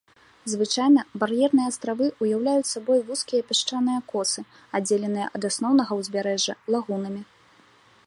Звычайна бар'ерныя астравы ўяўляюць сабою вузкія пясчаныя косы, аддзеленыя ад асноўнага ўзбярэжжа лагунамі.